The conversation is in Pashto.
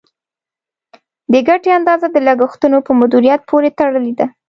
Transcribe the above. د ګټې اندازه د لګښتونو په مدیریت پورې تړلې ده.